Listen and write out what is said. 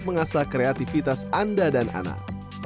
mengasah kreativitas anda dan anak